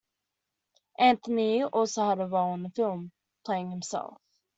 Anthony also had a role in the film, playing himself.